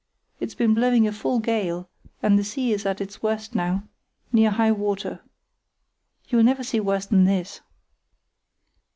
It's been blowing a full gale, and the sea is at its worst now—near high water. You'll never see worse than this."